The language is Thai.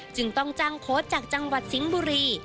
จึงต้องจ้างโค้ชจากจังหวัดสิงห์บุรี